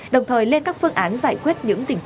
đồng thời lên các phương án giải quyết